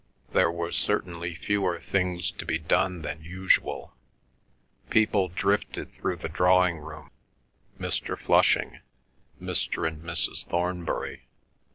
There were certainly fewer things to be done than usual. People drifted through the drawing room—Mr. Flushing, Mr. and Mrs. Thornbury.